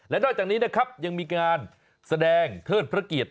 และนอกจากนี้นะครับอย่างมีการแทรนเผลอเกียรติ